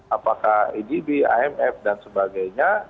apakah edb amf dan sebagainya